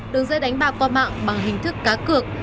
đường dây đánh bạc qua mạng bằng hình thức cá cược